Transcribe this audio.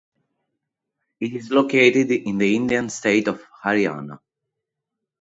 It is located in the Indian state of Haryana.